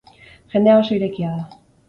Jendea oso irekia da.